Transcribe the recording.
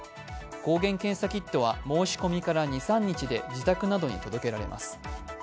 抗原検査キットは申し込みから２３日で自宅などに届けられます。